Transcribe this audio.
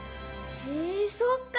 へえそっか！